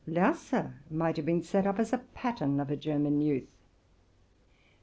Lerse might have been set up as a pattern of a German youth.